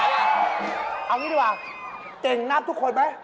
เอางี้ดีกว่าเก่งนับทุกคนไหม